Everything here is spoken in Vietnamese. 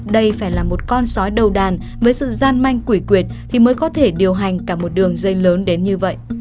đây phải là một con sói đầu đàn với sự gian manh quỷ quyệt thì mới có thể điều hành cả một đường dây lớn đến như vậy